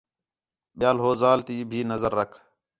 ٻِیا ہو ذال تی بھی نظر رکھ